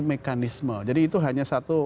mekanisme jadi itu hanya satu